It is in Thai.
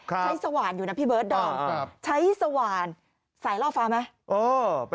สว่านอยู่นะพี่เบิร์ดดอมใช้สว่านสายล่อฟ้าไหม